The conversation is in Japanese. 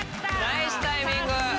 ナイスタイミング！